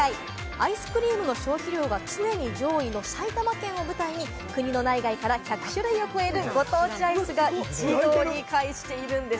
アイスクリームの消費量が常に上位の埼玉県を舞台に国の内外から１００種類を超えるご当地アイスが一堂に会しているんです。